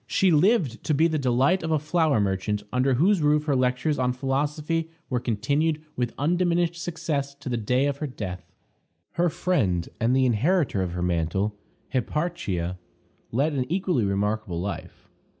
She lived to be the delight of a flour merchant, under whose roof her lectures on philosophy were continued with undiminished success to the day of her death. Her friend, and the inheritor of her mantle, Hipparchia, led an equally remarkable life.